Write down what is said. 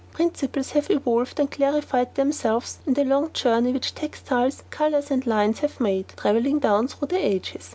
Principles have evolved and clarified themselves in the long journey which textiles, colours and lines have made, travelling down through the ages.